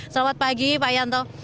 selamat pagi pak yanto